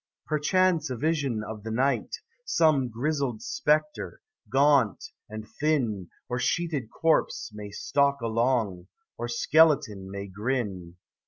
Perchance a vision of the night, Some grizzled spectre, gaunt and thin, Or sheeted corpse, may stalk along, Or skeleton may grin.